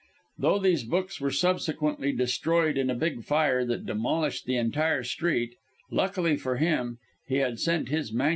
Though these books were subsequently destroyed in a big fire that demolished the entire street, luckily for him, he had sent his MS.